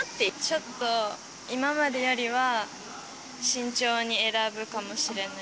ちょっと今までよりは慎重に選ぶかもしれない。